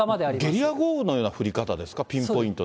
ゲリラ豪雨のような降り方ですか、ピンポイントで。